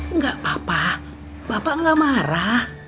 enggak papa bapak gak marah